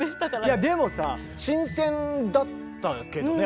いやでもさ新鮮だったけどね